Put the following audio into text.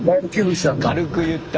軽く言った。